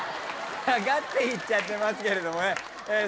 下がっていっちゃってますけれどもね。